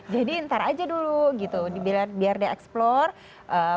jadi ntar aja dulu gitu dibiar dia explore